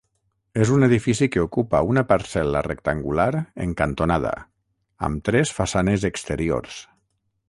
És un edifici que ocupa una parcel·la rectangular en cantonada, amb tres façanes exteriors.